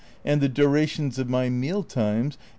and the durations of my meal times (8.